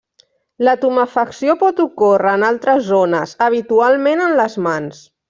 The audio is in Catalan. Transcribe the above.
La tumefacció pot ocórrer en altres zones, habitualment en les mans.